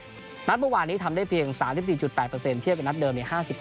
อากาศเมื่อนี้ทำได้เพียง๓๔๘เทียบกับอากาศเดิม๕๐